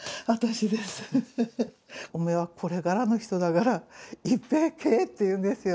「おめえはこれからの人だからいっぺえ食え」って言うんですよ。